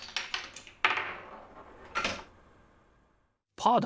パーだ！